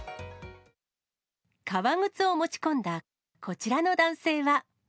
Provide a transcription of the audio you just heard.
革靴を持ち込んだこちらの男性は。